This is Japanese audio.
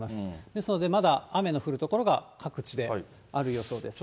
ですので、まだ雨の降る所が各地である予想です。